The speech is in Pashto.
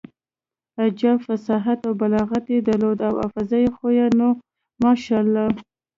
عجب فصاحت او بلاغت يې درلود او حافظه خو يې نو ماشاالله.